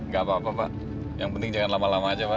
gak apa apa pak yang penting jangan lama lama aja pak